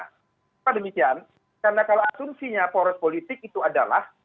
karena demikian karena kalau asumsinya poros politik itu adalah